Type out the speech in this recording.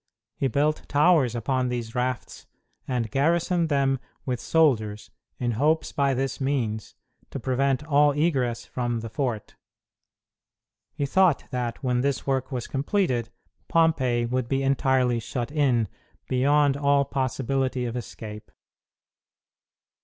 He built towers upon these rafts, and garrisoned them with soldiers, in hopes by this means to prevent all egress from the fort. He thought that, when this work was completed, Pompey would be entirely shut in, beyond all possibility of escape.